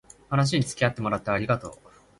話につきあってもらってありがとう